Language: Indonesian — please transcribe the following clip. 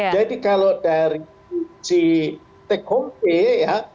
jadi kalau dari si take home pay ya